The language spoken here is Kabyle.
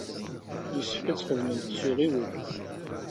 Yessefk ad txedmemt s uɣiwel.